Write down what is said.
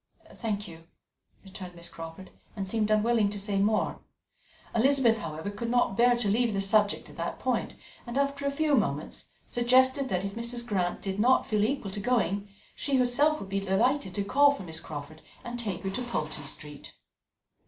"Thank you," returned Miss Crawford, and seemed unwilling to say more. Elizabeth, however, could not bear to leave the subject at that point, and after a few moments suggested that if Mrs. Grant did not feel equal to going, she herself would be delighted to call for Miss Crawford and take her to Pulteney Street.